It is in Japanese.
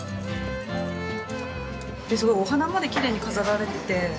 すごいお花まできれいに飾られてて。